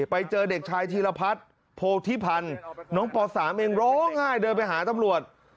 ไปเจอเด็กชายธีรพัฒน์โพธิพันธ์น้องป๓เองร้องไห้เดินไปหาตำรวจ